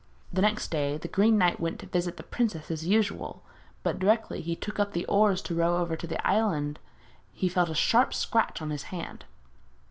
The next day the Green Knight went to visit the princess as usual; but directly he took up the oars to row over to the island he felt a sharp scratch on his hand.